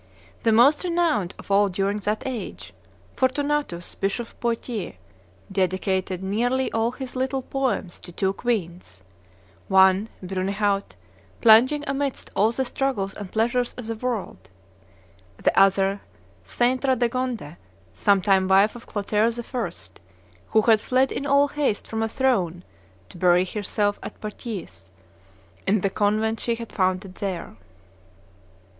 The most renowned of all during that age, Fortunatus, bishop of Poitiers, dedicated nearly all his little poems to two queens; one, Brunehaut, plunging amidst all the struggles and pleasures of the world, the other St. Radegonde, sometime wife of Clotaire I., who had fled in all haste from a throne, to bury herself at Poitiers, in the convent she had founded there.